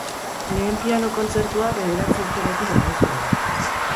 Lehen piano-kontzertua bederatzi urterekin eman zuen.